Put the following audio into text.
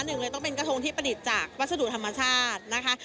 หนึ่งเลยต้องเป็นกระทงที่ประดิษฐ์จากวัสดุธรรมชาตินะคะ